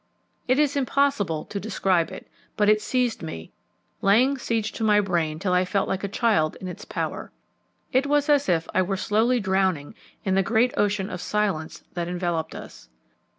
It is impossible to describe it, but it seized me, laying siege to my brain till I felt like a child in its power. It was as if I were slowly drowning in the great ocean of silence that enveloped us.